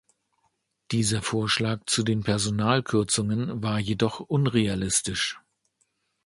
Dieser Vorschlag zu den Personalkürzungen war jedoch unrealistisch.